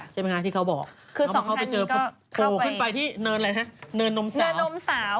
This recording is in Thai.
ใช่ไหมคะที่เขาบอกเอามาเข้าไปเจอโผล่ขึ้นไปที่เนินนมสาว